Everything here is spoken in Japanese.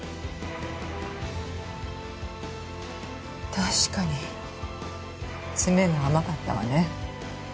確かに詰めが甘かったわね。